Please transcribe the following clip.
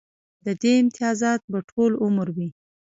د دې امتیازات به ټول عمر وي